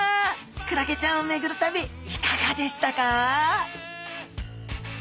クラゲちゃんを巡る旅いかがでしたか？